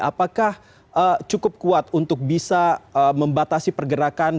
apakah cukup kuat untuk bisa membatasi pergerakan